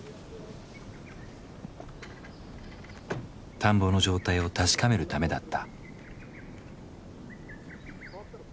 田んぼの状態を確かめるためだった。